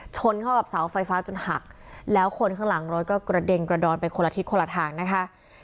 ชนเข้ากับเสาไฟฟ้าจนหักแล้วคนข้างหลังรถก็กระเด็นกระดอนไปคนละทิศคนละทางนะคะ